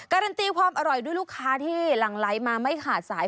การันตีความอร่อยด้วยลูกค้าที่หลั่งไหลมาไม่ขาดสาย